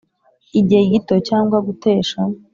igihe gito cyangwa gutesha